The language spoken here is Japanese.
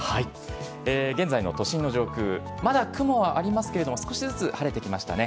現在の都心の上空、まだ雲はありますけれども、少しずつ晴れてきましたね。